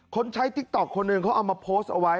ใช้ติ๊กต๊อกคนหนึ่งเขาเอามาโพสต์เอาไว้